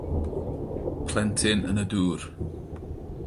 Plentyn yn y dŵr.